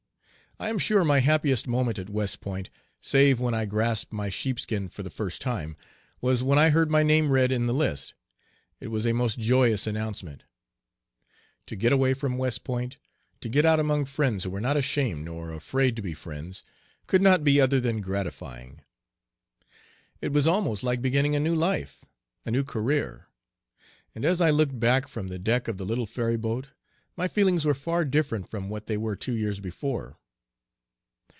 I am sure my happiest moment at West Point, save when I grasped my "sheepskin" for the first time, was when I heard my name read in the list. It was a most joyous announcement. To get away from West Point, to get out among friends who were not ashamed nor afraid to be friends, could not be other than gratifying. It was almost like beginning a new life, a new career, and as I looked back from the deck of the little ferryboat my feelings were far different from what they were two years before.